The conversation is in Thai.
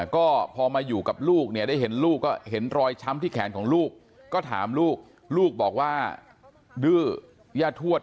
ก็พอมาอยู่กับลูกเนี่ยได้เห็นลูกก็เห็นรอยช้ำที่แขนของลูกก็ถามลูกลูกบอกว่าดื้อย่าทวด